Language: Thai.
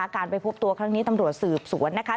การไปพบตัวครั้งนี้ตำรวจสืบสวนนะคะ